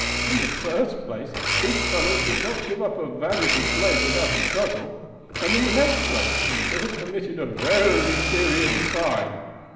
In the first place, these fellows would not give up a valuable slave without a struggle; and in the next place, they have committed a very serious crime.